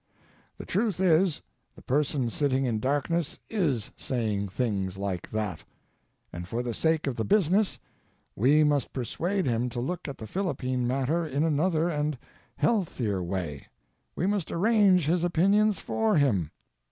The truth is, the Person Sitting in Darkness is saying things like that; and for the sake of the Business we must persuade him to look at the Philippine matter in another and healthier way. We must arrange his opinions for him.